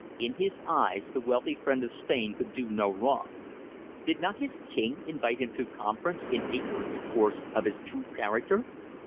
In his eyes the wealthy friend of Spain could do no wrong. Did not his King invite him to conference, in ignorance, of course, of his true character?